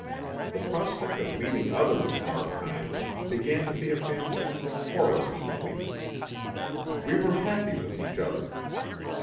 The prospect of meeting others of our kind began to be a fantastic horror to me. We were happy with each other.